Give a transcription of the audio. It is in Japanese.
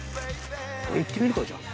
これいってみるかじゃあ。